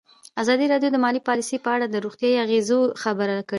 ازادي راډیو د مالي پالیسي په اړه د روغتیایي اغېزو خبره کړې.